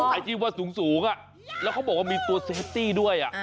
อาชีพว่าสูงแล้วเขาบอกว่ามีตัวเซฟตี้ด้วย